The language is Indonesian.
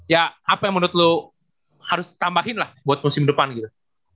ya apa yang menurut lo harus tambahin lah buat musim depan gitu